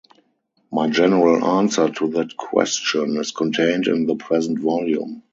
My general answer to that question is contained in the present volume.